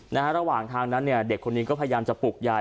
ระหว่างทางนั้นเนี่ยเด็กคนนี้ก็พยายามจะปลุกยาย